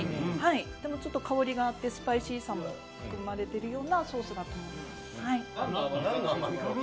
でもちょっと香りがあってスパイシーさも含まれてるようなソースだと思います。